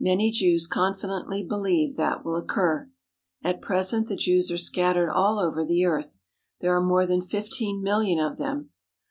Many Jews confidently believe that will occur. At present the Jews are scattered all over the earth. There are more than fifteen million of them.